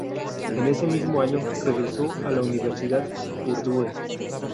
En ese mismo año, regresó a la Universidad Purdue.